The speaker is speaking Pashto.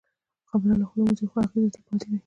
خبره له خولې ووځي، خو اغېز یې تل پاتې وي.